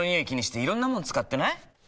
気にしていろんなもの使ってない？